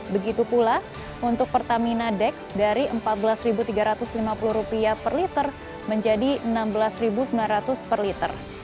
begitu pula untuk pertamina dex dari rp empat belas tiga ratus lima puluh per liter menjadi rp enam belas sembilan ratus per liter